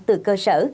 từ cơ sở